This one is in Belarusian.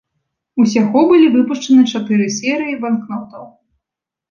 Усяго былі выпушчаны чатыры серыі банкнотаў.